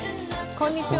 こんにちは。